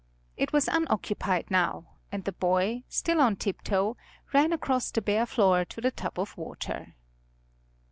It was unoccupied now, and the boy, still on tiptoe, ran across the bare floor to the tub of water.